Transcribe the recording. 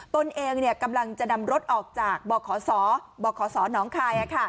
ตนเองกำลังจะนำรถออกจากบขศบขสน้องคาย